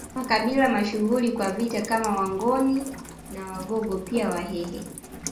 Makabila mashuhuri kwa vita kama Wangoni na Wagogo pia Wahehe